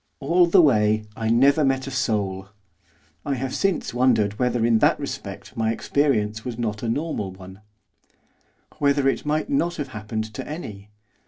All the way I never met a soul. I have since wondered whether in that respect my experience was not a normal one; whether it might not have happened to any.